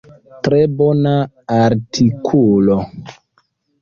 Tre bona artikulo.